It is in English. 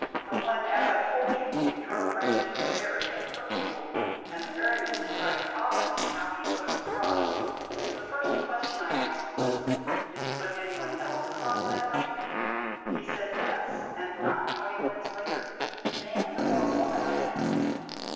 For when, as I've told you, we drove around to the ferry at Percuil, and the ferryman described Coffin and how he'd put him across, the first question I asked was 'Did you put any one else across that night?' He said, 'Yes; and not twenty minutes later.' 'Man or woman?' I asked.